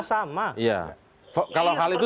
sama ya kalau hal itu